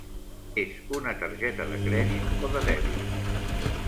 És una targeta de crèdit o de dèbit?